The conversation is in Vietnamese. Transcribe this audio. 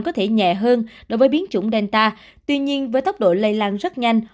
có thể nhẹ hơn đối với biến chủng delta tuy nhiên với tốc độ lây lan rất nhanh